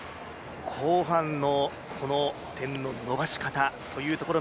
後半の点の伸ばし方というところ